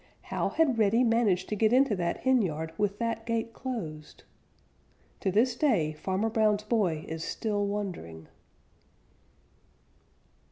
How had Reddy managed to get into that henyard with that gate closed? To this day, Farmer Brown's boy is still wondering.